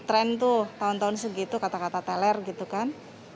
trend tuh tahun tahun segitu kata kata teler gitu kan